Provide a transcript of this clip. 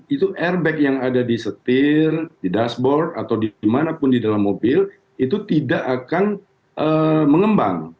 itu airbag yang ada di setir di dashboard atau dimanapun di dalam mobil itu tidak akan mengembang